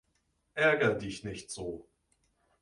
Ärger dich nicht so!